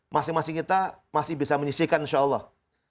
masing masing kita masih bisa menyisihkan insya allah